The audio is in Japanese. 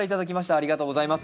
ありがとうございます。